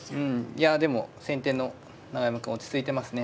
いやでも先手の永山くん落ち着いてますね